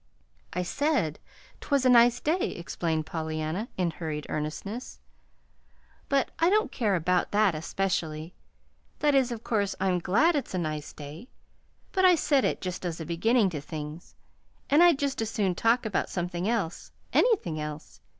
"I said 'twas a nice day," explained Pollyanna in hurried earnestness; "but I don't care about that especially. That is, of course I'm glad it's a nice day, but I said it just as a beginning to things, and I'd just as soon talk about something else anything else.